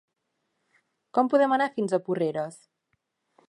Com podem anar fins a Porreres?